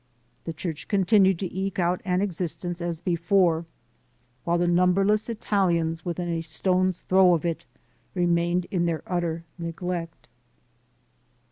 The church continued to eke out an ex istence as before, while the numberless Italians within a stone's throw of it remained in their utter neglect.